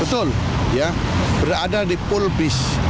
betul berada di pool base